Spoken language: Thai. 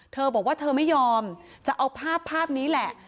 เธอบอกว่าเธอไม่ยอมจะเอาภาพภาพนี้แหละ